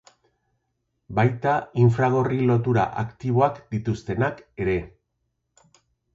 Baita infragorri lotura aktiboak dituztenak ere.